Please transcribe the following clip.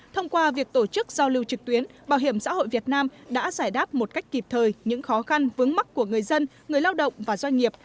thông qua việc tổ chức giao lưu trực tuyến bảo hiểm xã hội việt nam đã giải đáp một cách kịp thời những khó khăn vướng mắt của người dân người lao động và doanh nghiệp